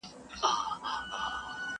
نه دعا یې له عذابه سي ژغورلای٫